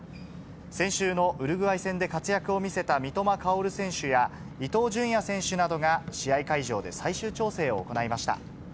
先週のウルグアイ戦で活躍を見せた三笘薫選手や、伊東純也選手などが試合会場で最終調整を行いました。